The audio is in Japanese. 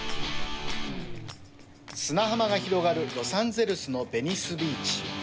砂浜が広がるロサンゼルスのベニスビーチ。